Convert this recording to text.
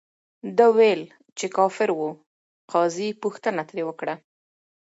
ده ویل، چې کافر ؤ. قاضي پوښتنه ترې وکړه،